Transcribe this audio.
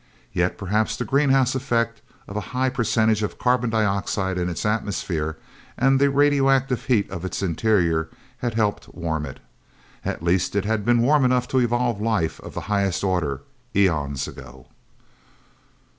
Yet perhaps the greenhouse effect of a high percentage of carbon dioxide in its atmosphere and the radioactive heat of its interior had helped warm it. At least it had been warm enough to evolve life of the highest order, eons ago.